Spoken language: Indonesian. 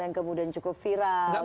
yang kemudian cukup viral di masyarakat